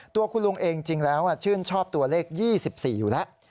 ตัวคุณลุงเองจริงแล้วชื่นชอบตัวเลข๒๔อยู่แล้ว